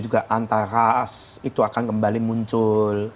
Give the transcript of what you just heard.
juga antara itu akan kembali muncul